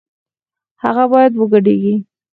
هغه بايد وګډېږي